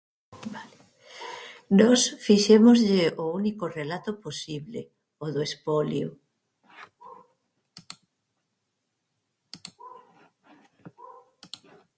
Nós fixémoslle o único relato posible: o do espolio.